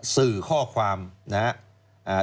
สื่อข้อความนะครับ